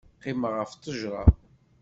Qqimeɣ ɣef tgecrar.